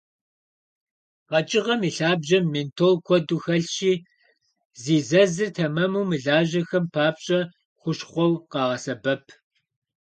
Къэкӏыгъэм и лъабжьэм ментол куэду хэлъщи, зи зэзыр тэмэму мылажьэхэм папщӏэ хущхъуэу къагъэсэбэп.